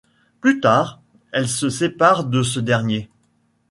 Plus tard, elle se sépare de ce dernier.